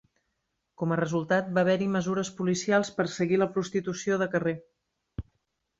Com a resultat, va haver-hi mesures policials per seguir la prostitució de carrer.